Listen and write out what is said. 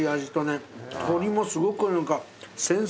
鶏もすごく何か。